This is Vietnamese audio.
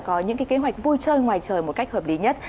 có những kế hoạch vui chơi ngoài trời một cách hợp lý nhất